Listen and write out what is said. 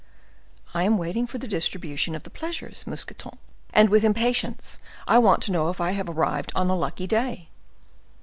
"I am waiting for the distribution of the pleasures, Mousqueton, and with impatience. I want to know if I have arrived on a lucky day."